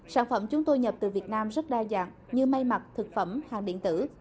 sản phẩm chúng tôi nhập từ việt nam rất đa dạng như may mặt thực phẩm hàng điện tử